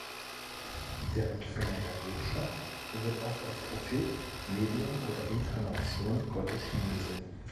Der Empfänger der Botschaft wird oft als Prophet, Medium oder Inkarnation Gottes angesehen.